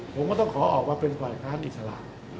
ผมก็ต้องขอออกมาเป็นฝ่ายค้านอิสระ